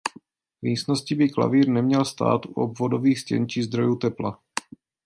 V místnosti by klavír neměl stát u obvodových stěn či zdrojů tepla.